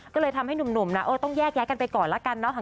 ก็เลยทำให้หนุ่มนะต้องแยกย้ายกันไปก่อนละกันเนาะ